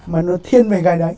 mà nó thiên về cái đấy